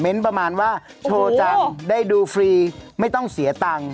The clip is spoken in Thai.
ประมาณว่าโชว์จังได้ดูฟรีไม่ต้องเสียตังค์